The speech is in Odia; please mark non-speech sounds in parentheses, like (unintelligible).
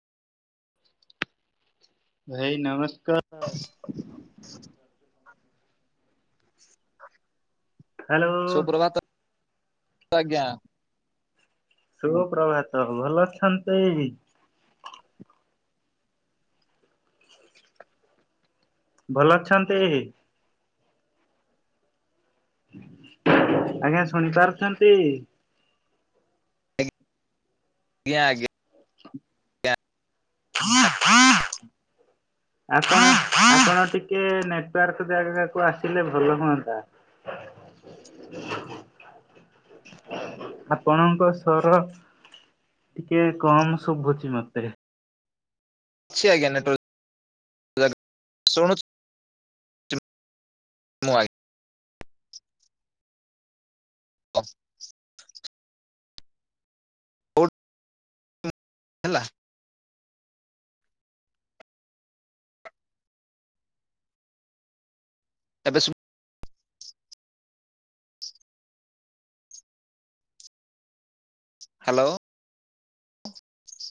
ଭାଇ ନମସ୍କା ଆ (unintelligible) ହ୍ୟାଲୋ ସୁପ୍ରଭାତ ଆଜ୍ଞା। ସୁପ୍ରଭାତ ଭଲ ଅଛନ୍ତି। ଭଲ ଅଛନ୍ତି। ଆଜ୍ଞା ଶୁଣି ପାରୁଛନ୍ତି। ଜ୍ଞା ଆଜ୍ଞ୍ ଆପଣ ଆପଣ ଟିକେ ନେଟୱାର୍କ ଜାଗାକୁ ଆସିଲେ ଭଲ ହୁଅନ୍ତା। ଆପଣଙ୍କ ସ୍ବର ଟିକେ କମ ଶୁଭୁଛି ମତେ। ଅଛି ଆଜ୍ଞା ନେଟୱାର୍କ ଶୁଣୁଚ ମୁଁ ଆ ବା (inaudible) ଉଡ୍ (inaudible) ହେଲା। ଏବେ ଶଭ୍ ହ୍ୟାଲୋ।